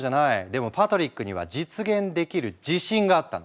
でもパトリックには実現できる自信があったの。